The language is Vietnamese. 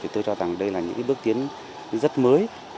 tôi cho rằng đây là những bước tiến rất mới